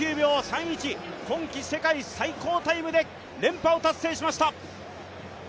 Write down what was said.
今季世界最高タイムで連覇を達成しました。